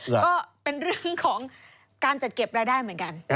ก็เป็นเรื่องของการจัดเก็บรายได้เหมือนกัน